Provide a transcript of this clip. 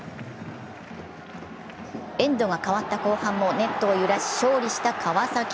エンドが変わった後半もネットを揺らし勝利した川崎。